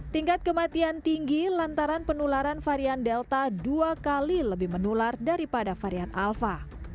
tingkat kematian tinggi lantaran penularan varian delta dua kali lebih menular daripada varian alpha